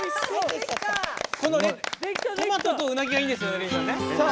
このトマトとうなぎがいいんですよね。